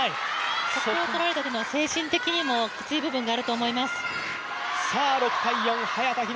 そこを取られたというのは精神的にもきつい部分があると思います。